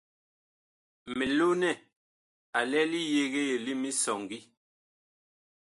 Milonɛ a lɛ li yegee li misɔŋgi.